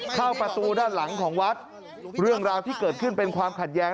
เข้าประตูด้านหลังของวัดเรื่องราวที่เกิดขึ้นเป็นความขัดแย้ง